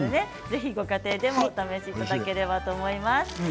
ご家庭でお楽しみいただければと思います。